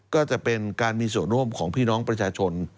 ก็จะเป็นการมีส่วนร่วมของพี่น้องประชาชน